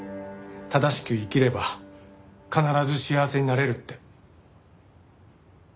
正しく生きれば必ず幸せになれるって。